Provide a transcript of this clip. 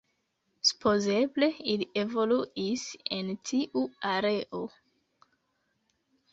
Supozeble ili evoluis en tiu areo.